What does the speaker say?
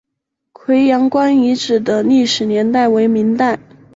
葵阳关遗址的历史年代为明代。